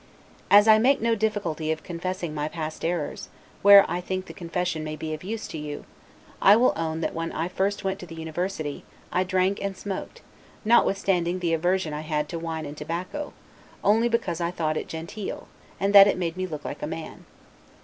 As I make no difficulty of confessing my past errors, where I think the confession may be of use to you, I will own that when I first went to the university, I drank and smoked, notwithstanding the aversion I had to wine and tobacco, only because I thought it genteel, and that it made me look like a man.